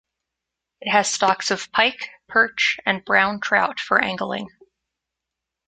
It has stocks of pike, perch and brown trout for angling.